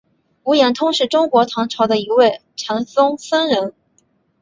无言通是中国唐朝的一位禅宗僧人。